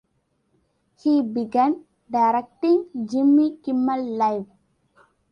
He began directing Jimmy Kimmel Live!